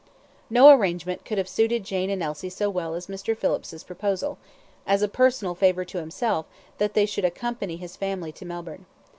No arrangement could have suited Jane and Elsie so well as Mr. Phillips's proposal, as a personal favour to himself, that they should accompany his family to Melbourne.